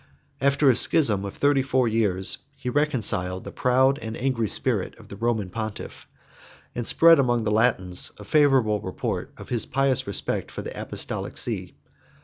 After a schism of thirty four years, he reconciled the proud and angry spirit of the Roman pontiff, and spread among the Latins a favorable report of his pious respect for the apostolic see.